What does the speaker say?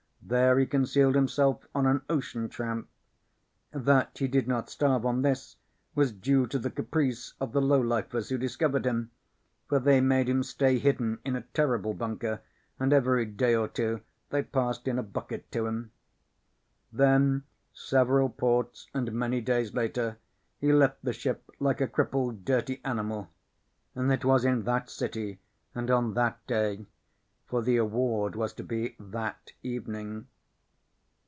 There he concealed himself on an ocean tramp. That he did not starve on this was due to the caprice of the low lifers who discovered him, for they made him stay hidden in a terrible bunker and every day or two they passed in a bucket to him. Then, several ports and many days later, he left the ship like a crippled, dirty animal. And it was in That City and on That Day. For the award was to be that evening.